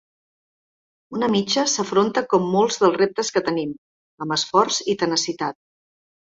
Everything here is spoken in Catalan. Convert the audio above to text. Una mitja s’afronta com molts dels reptes que tenim: amb esforç i tenacitat.